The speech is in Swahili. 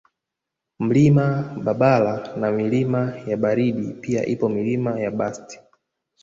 Mlima Babala na Milima ya Baridi pia ipo Milima ya Bast